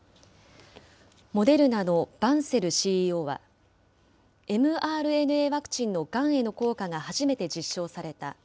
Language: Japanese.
モデルナのバンセルＣＥＯは、ｍＲＮＡワクチンのがんへの効果が初めて実証された。